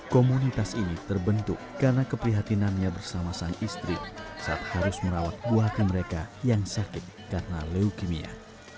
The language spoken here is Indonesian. komunitas ini terbentuk karena keprihatinannya bersama sang istri saat harus merawat buah hati mereka yang sakit karena leukemia